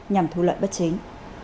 nhằm thu lợi bất chính